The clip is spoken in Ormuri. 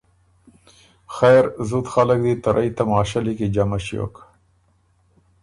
خېر زُت خلق دی ته رئ تماشۀ لیکی جمع ݭیوک